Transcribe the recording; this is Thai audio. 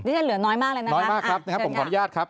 เป็นเหลือน้อยมากเลยนะครับน้อยมากครับผมขออนุญาตครับ